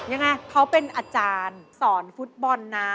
ยังไงเขาเป็นอาจารย์สอนฟุตบอลนะ